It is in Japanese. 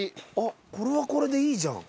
これはこれでいいじゃん。